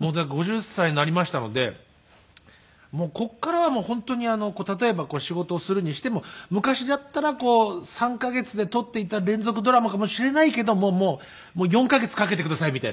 ５０歳になりましたのでもうここからは本当に例えば仕事をするにしても昔だったら３カ月で撮っていた連続ドラマかもしれないけども４カ月かけてくださいみたいな。